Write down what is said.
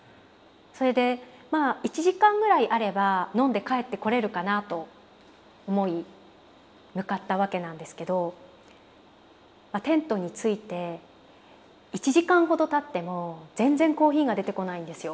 それでまあ１時間ぐらいあれば飲んで帰ってこれるかなと思い向かったわけなんですけどテントに着いて１時間ほどたっても全然コーヒーが出てこないんですよ。